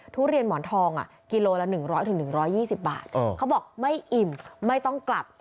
ทุเรียนหมอนทองกิโลละ๑๐๐๑๒๐บาทเขาบอกไม่อิ่มไม่ต้องกลับ